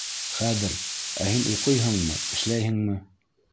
— Хәҙер, ә һин уҡыйһыңмы, эшләйһеңме?